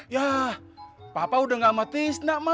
ya papa udah gak sama tisna ma